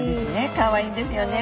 かわいいんですよね。